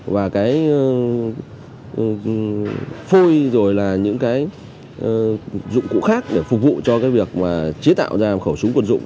và cái phôi rồi là những cái dụng cụ khác để phục vụ cho cái việc mà chế tạo ra một khẩu súng quân dụng